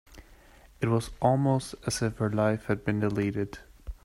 It was almost as if her life had been deleted.